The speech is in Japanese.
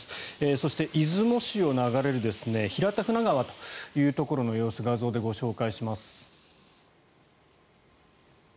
そして出雲市を流れる平田船川というところの様子を画像でご紹介します。